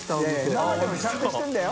今までもちゃんとしてるんだよ？